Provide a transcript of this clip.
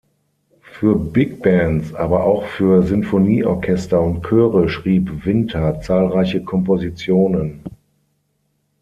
Für Bigbands, aber auch für Sinfonieorchester und Chöre schrieb Winther zahlreiche Kompositionen.